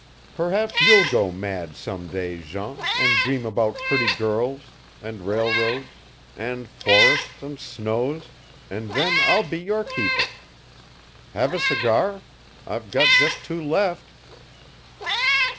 Perhaps you'll go mad some day, Jean, and dream about pretty girls, and railroads, and forests, and snows and then I'll be your keeper. Have a cigar? I've got just two left."